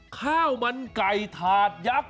ข้าวมันไก่ถาดยักษ์